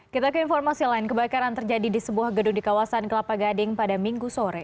kita ke informasi lain kebakaran terjadi di sebuah gedung di kawasan kelapa gading pada minggu sore